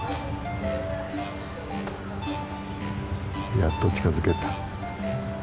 やっと近づけた。